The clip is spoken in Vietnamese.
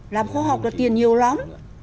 làm khoa học là tiền nhiều lắm